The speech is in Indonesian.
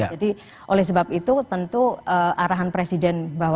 jadi oleh sebab itu tentu arahan presiden bahwa